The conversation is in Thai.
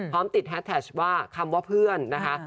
พร้อมติดแฮดแท็จว่าคำว่าเพื่อนนะคะ